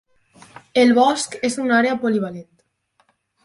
El bosc és una àrea polivalent.